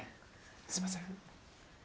すいません。